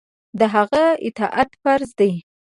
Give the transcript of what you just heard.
د هغه اطاعت فرض دی.